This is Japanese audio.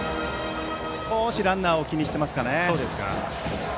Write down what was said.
少しランナーを気にしていますかね。